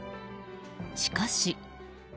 しかし。